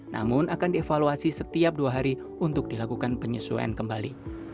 namun akan dievaluasi setiap dua hari untuk dilakukan penyesuaian kembali